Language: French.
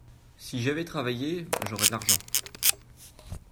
Si j’avais travaillé, j’aurais de l’argent.